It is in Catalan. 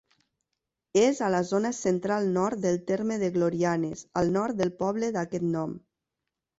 És a la zona central-nord del terme de Glorianes, al nord del poble d'aquest nom.